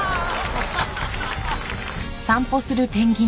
ハハハハ！